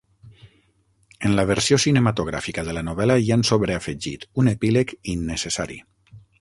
En la versió cinematogràfica de la novel·la hi han sobreafegit un epíleg innecessari.